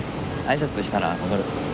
挨拶したら戻る。